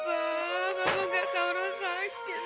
kamu gak tau rasakit pak